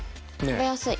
食べやすい。